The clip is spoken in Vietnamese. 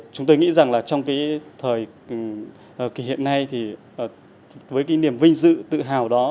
chúng tôi nghĩ rằng trong thời kỳ hiện nay với niềm vinh dự tự hào đó